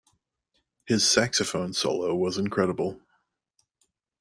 His saxophone solo was incredible.